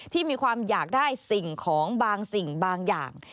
ที่มีความอยากได้สิ่งของบางสิ่งบางอย่าง